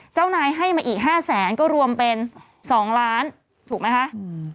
เจ้านายให้มาอีกห้าแสนก็รวมเป็นสองล้านถูกไหมคะอืม